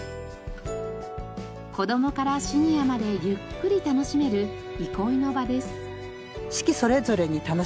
子供からシニアまでゆっくり楽しめる憩いの場です。